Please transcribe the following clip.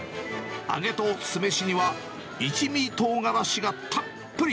揚げと酢飯には、一味とうがらしがたっぷり。